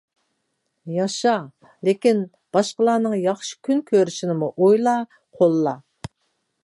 ياشا، لېكىن باشقىلارنىڭ ياخشى كۈن كۆرۈشىنىمۇ ئويلا، قوللا.